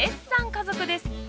家族です